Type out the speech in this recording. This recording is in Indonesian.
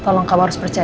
saya jangan revolutionary